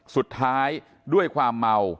สุดท้ายด้อความเมา